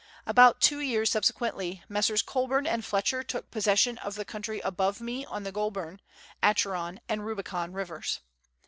About two years subsequently Messrs. Colburn and Fletcher took possession of the country above me on the Goulburn, Acheron, and Rubicon rivers.